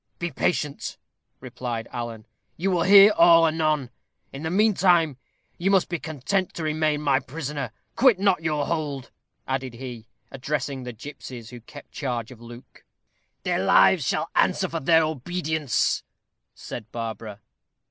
"Be patient," replied Alan. "You will hear all anon. In the meantime you must be content to remain my prisoner. Quit not your hold," added he, addressing the gipsies, who kept charge of Luke. "Their lives shall answer for their obedience," said Barbara.